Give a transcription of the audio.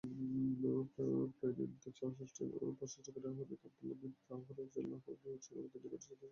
প্রাণান্তকর প্রচেষ্টা করে হযরত আব্দুল্লাহ বিন রাওহা রাযিয়াল্লাহু আনহু সেনাপতির নিকটে যেতে সক্ষম হন।